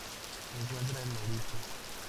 Se encuentra en Mauricio.